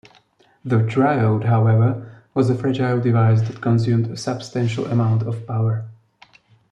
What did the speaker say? The triode, however, was a fragile device that consumed a substantial amount of power.